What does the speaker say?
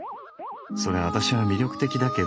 そりゃアタシは魅力的だけど。